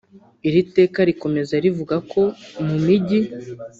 Iri teka rikomeza rivuka ko mu Mijyi